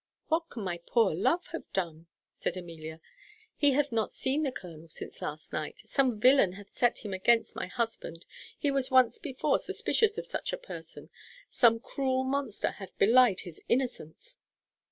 "What can my poor love have done?" said Amelia. "He hath not seen the colonel since last night. Some villain hath set him against my husband; he was once before suspicious of such a person. Some cruel monster hath belied his innocence!"